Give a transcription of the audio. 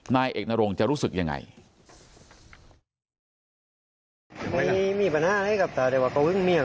นายเอกนรงจะรู้สึกยังไง